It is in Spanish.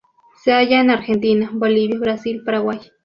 Se halla en Argentina, Bolivia, Brasil, Paraguay.